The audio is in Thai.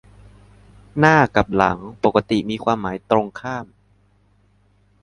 "หน้า" กับ "หลัง" ปกติมีความหมายตรงข้าม